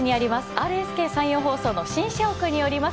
ＲＳＫ山陽放送の新社屋におります。